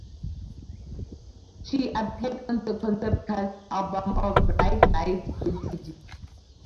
She appeared on the concept cast album of "Bright Lights, Big City".